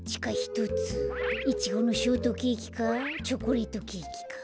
イチゴのショートケーキかチョコレートケーキか。